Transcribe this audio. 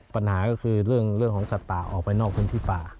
ปัญหาก็คือเรื่องของสัตว์ป่าออกไปนอกพื้นที่ป่า